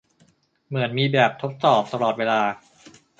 เหมือนมีแบบทดสอบตลอดเวลา